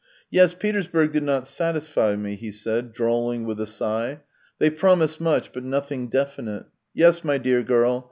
" Yes, Petersburg did not satisfy me," he said, drawling, with a sigh. " They promise much, but nothing definite. Yes, my dear girl.